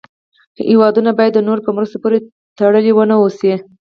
هېوادونه باید د نورو په مرستو پورې تړلې و نه اوسي.